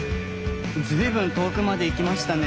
随分遠くまで行きましたね。